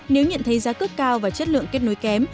nếu nhận thấy giá cước cao và chất lượng kết nối kém